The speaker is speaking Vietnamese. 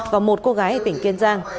và một cô gái ở tỉnh kiên giang